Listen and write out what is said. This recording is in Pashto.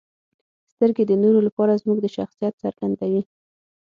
• سترګې د نورو لپاره زموږ د شخصیت څرګندوي.